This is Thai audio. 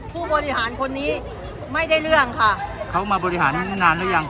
ผู้บริหารคนนี้ไม่ได้เรื่องค่ะเขามาบริหารนานหรือยัง